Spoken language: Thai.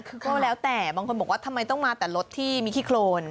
คือก็แล้วแต่บางคนบอกว่าทำไมต้องมาแต่รถที่มีขี้โครน